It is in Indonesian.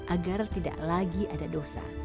agar tidak lagi ada dosa